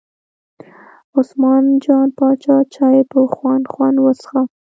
عثمان جان پاچا چای په خوند خوند وڅښه.